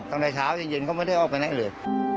ตั้งแต่เช้าเย็นก็ไม่ได้ออกไปไหนเลย